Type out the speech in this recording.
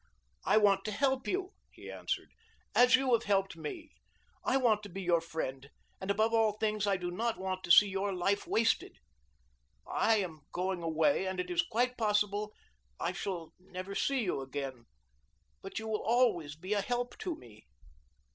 "I want to help you," he answered, "as you have helped me. I want to be your friend, and above all things I do not want to see your life wasted. I am going away and it is quite possible I shall never see you again, but you will always be a help to me."